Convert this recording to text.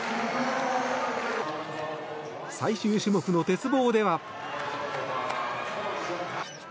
最終種目の鉄棒では。